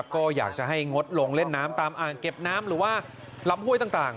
ก็อยากจะให้งดลงเล่นน้ำตามอ่างเก็บน้ำหรือว่าลำห้วยต่าง